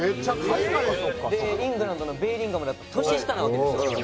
イングランドのベリンガムだと年下なわけですよ。